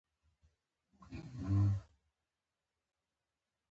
د آزادۍ له پاره اړینه ده، چي مځکه او اسمان واخلې.